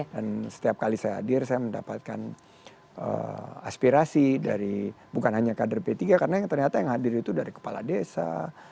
dan setiap kali saya hadir saya mendapatkan aspirasi dari bukan hanya kader p tiga karena yang hadir itu dari kepala desa